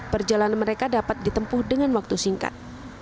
perjalanan mereka dapat ditempuh dengan waktu singkat